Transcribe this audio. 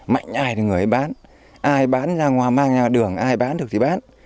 mạnh ai thì người ấy bán ai bán ra ngoài mang ra đường ai bán được thì bán